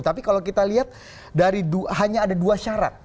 tapi kalau kita lihat hanya ada dua syarat